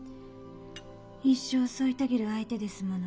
一生添い遂げる相手ですもの。